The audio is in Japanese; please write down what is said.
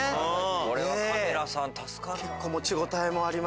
これはカメラさん助かる。